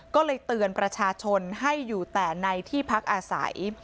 ก็เลยเตือนประชาชนให้อยู่แต่ในที่พักอาศัย